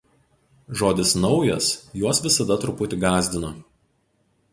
Žodis „naujas“ juos visada truputį gąsdino.